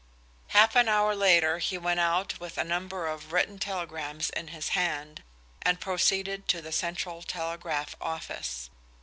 Half an hour later he went out with a number of written telegrams in his hand, and proceeded to the central telegraph office.